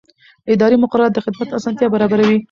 اداري مقررات د خدمت اسانتیا برابروي.